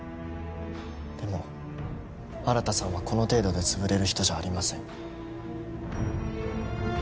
でも新さんはこの程度で潰れる人じゃありません。